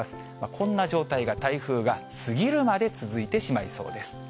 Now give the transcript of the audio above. こんな状態が、台風が過ぎるまで続いてしまいそうです。